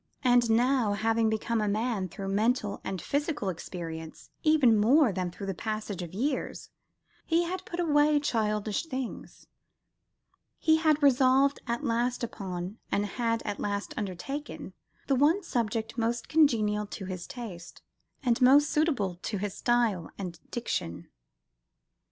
And now, having become a man through mental and physical experience even more than through the passage of years, he had put away childish things. He had resolved at last upon, and had at last undertaken, the one subject most congenial to his taste, and most suitable to his style and diction.